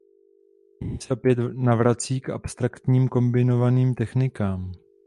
Nyní se opět navrací k abstraktním kombinovaným technikám.